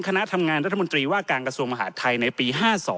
คณะทำงานรัฐมนตรีว่าการกระทรวงมหาดไทยในปี๕๒